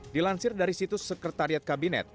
dilansir dari situs sekretariat kabinet